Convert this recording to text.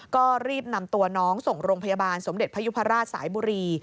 ก็รีบนำตัวน้องส่งโรงพยาบาลสมเด็จพยุพราชสายบุรี